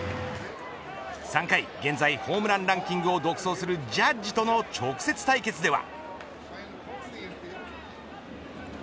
３回、現在ホームランランキングを独走するジャッジとの直接対決では。